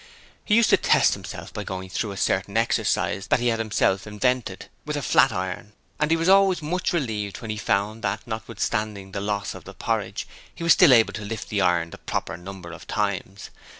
He used to test himself by going through a certain exercise he had himself invented, with a flat iron, and he was always much relieved when he found that, notwithstanding the loss of the porridge, he was still able to lift the iron the proper number of times.